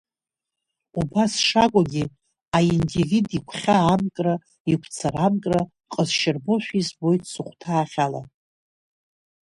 Убас шакәугьы аиндивид игәхьаа амкра, игәцарамкра ҟазшьарбоушәа избоит сыхәҭаахь ала.